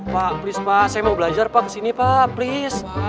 pak please pak saya mau belajar pak kesini pak please